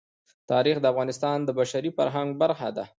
تاریخ د افغانستان د بشري فرهنګ برخه ده.